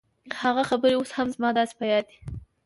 هغه خبرې اوس هم زما داسې په ياد دي.